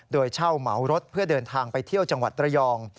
โดยเช่าเหมารถเพื่อเดินทางไปเที่ยวจังหวัดระยอง